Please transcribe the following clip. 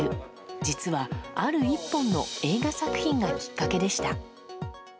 実は、ある１本の映画作品がきっかけでした。